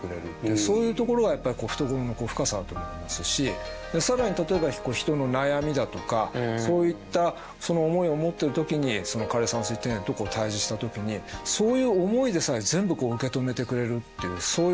そういうところがやっぱり懐の深さだと思いますし更に例えば人の悩みだとかそういった思いを持ってる時に枯山水庭園と対峙した時にそういう思いでさえ全部受け止めてくれるっていうそういう